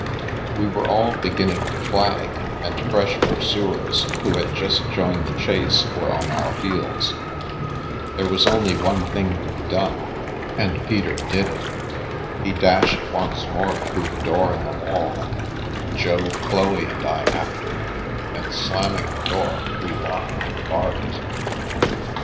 We were all beginning to flag, and fresh pursuers, who had just joined the chase, were on our heels. There was only one thing to be done, and 221 The Milky Way Peter did it. He dashed once more through the door in the wall, Jo, Chloe, and I after him, and slamming the door, we locked and barred it.